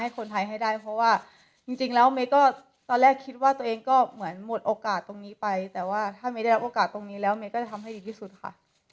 คนไทยให้ได้เพราะว่าจริงแล้วเมย์ก็ตอนแรกคิดว่าตัวเองก็เหมือนหมดโอกาสตรงนี้ไปแต่ว่าถ้าไม่ได้รับโอกาสตรงนี้แล้วเมย์ก็จะทำให้ดีที่สุดค่ะ